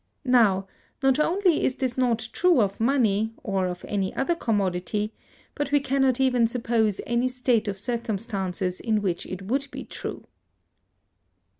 Now, not only is this not true of money, or of any other commodity, but we can not even suppose any state of circumstances in which it would be true.